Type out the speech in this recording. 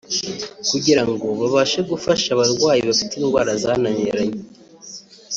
kugirango babashe gufasha abarwayi bafite indwara zananiranye